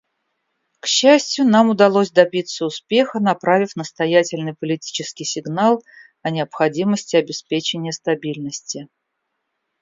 К счастью, нам удалось добиться успеха, направив настоятельный политический сигнал о необходимости обеспечения стабильности.